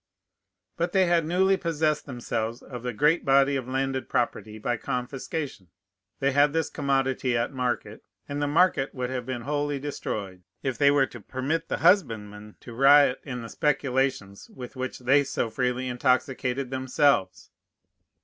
But they had newly possessed themselves of a great body of landed property by confiscation. They had this commodity at market; and the market would have been wholly destroyed, if they were to permit the husbandmen to riot in the speculations with which they so freely intoxicated themselves.